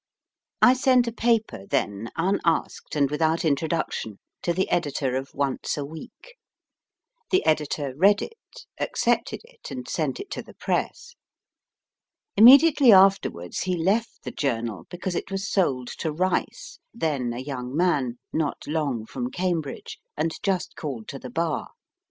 I sent a paper, then, unasked, and without introduction, to the editor of Once a Week. The editor read it, accepted it, and sent it to the press. Immediately afterwards he left the journal because it was sold to Rice, then a young man, not long from Cambridge, and just called to the Bar.